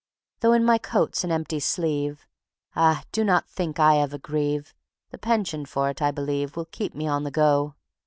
Though in my coat's an empty sleeve, Ah! do not think I ever grieve (The pension for it, I believe, Will keep me on the go).